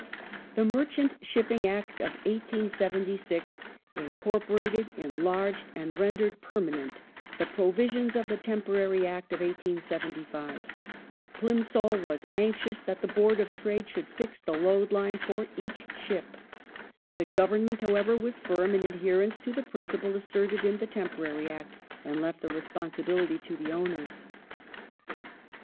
The Merchant Shipping Act of 1876 incorporated, enlarged, and rendered permanent the provisions of the temporary Act of 1875. Plimsoll was anxious that the Board of Trade should fix the loadline for each ship. The Government, however, was firm in adherence to the principle asserted in the temporary Act, and left the responsibility to the owners.